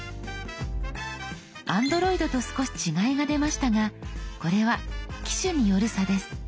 Ａｎｄｒｏｉｄと少し違いが出ましたがこれは機種による差です。